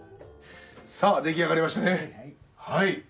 さあ出来上がりましたねはい。